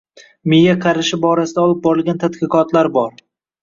Miya qarishi borasida olib borilgan tadqiqotlar bor.